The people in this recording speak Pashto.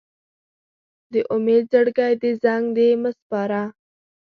د امید زړګی دې زنګ دی مساپره